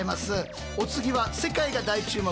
お次は世界が大注目！